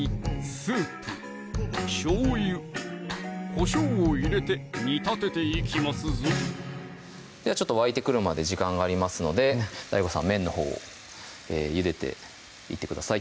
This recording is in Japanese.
・スープ・しょうゆ・こしょうを入れて煮立てていきますぞじゃあちょっと沸いてくるまで時間がありますのでＤＡＩＧＯさん麺のほうをゆでていってください